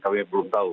kami belum tahu